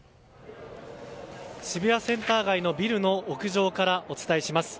渋谷センター街のビルの屋上からお伝えします。